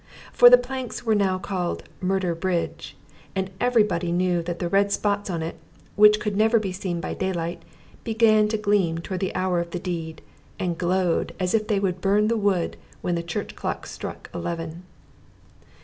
For the planks were now called "Murder bridge;" and every body knew that the red spots on it, which could never be seen by daylight, began to gleam toward the hour of the deed, and glowed (as if they would burn the wood) when the church clock struck eleven.